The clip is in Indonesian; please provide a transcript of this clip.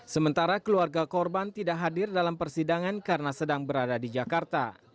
sementara keluarga korban tidak hadir dalam persidangan karena sedang berada di jakarta